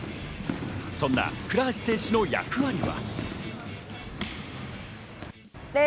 そんな倉橋選手の役割は。